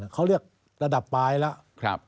เขาเรียกระดับปลายแล้ว